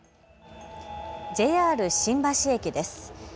ＪＲ新橋駅です。